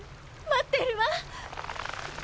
待ってるわ！